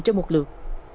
trong một lượt